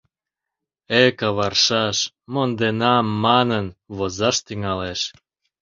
— Э, каваршаш, монденам, — манын, возаш тӱҥалеш.